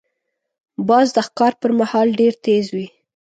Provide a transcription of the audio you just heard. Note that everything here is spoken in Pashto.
باز د ښکار پر مهال ډېر تیز وي